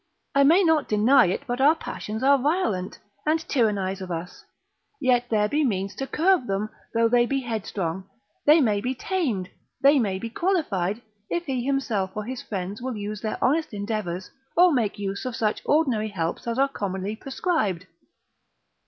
I may not deny but our passions are violent, and tyrannise of us, yet there be means to curb them; though they be headstrong, they may be tamed, they may be qualified, if he himself or his friends will but use their honest endeavours, or make use of such ordinary helps as are commonly prescribed.